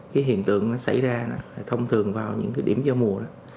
cái hiện tượng nó xảy ra là thông thường vào những cái điểm do mùa đó